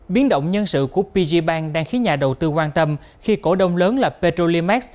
biến động nhân sự của pgibank đang khiến nhà đầu tư quan tâm khi cổ đông lớn là petrolimax